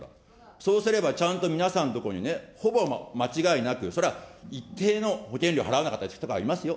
そうすればちゃんと皆さんのところにほぼ間違いなく、それは一定の保険料払わなかった人はいますよ。